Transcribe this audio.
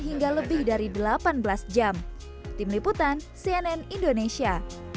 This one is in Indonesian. hingga lebih dari delapan belas jam tim liputan cnn indonesia